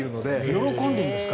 喜んでいるんですか？